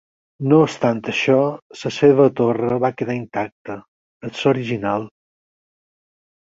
No obstant això, la seva torre va quedar intacta, és l'original.